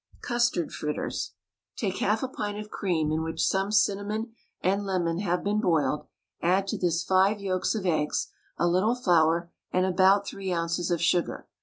CUSTARD FRITTERS. Take half a pint of cream in which some cinnamon and lemon have been boiled, add to this five yolks of eggs, a little flour, and about three ounces of sugar.